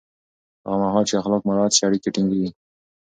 هغه مهال چې اخلاق مراعت شي، اړیکې ټینګېږي.